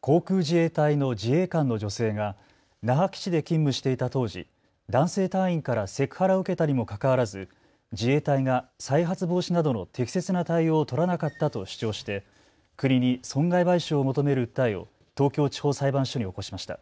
航空自衛隊の自衛官の女性が那覇基地で勤務していた当時、男性隊員からセクハラを受けたにもかかわらず自衛隊が再発防止などの適切な対応を取らなかったと主張して国に損害賠償を求める訴えを東京地方裁判所に起こしました。